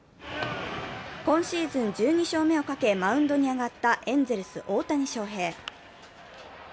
今シーズン１２勝目をかけ、マウンドに上がったエンゼルス・大谷翔平。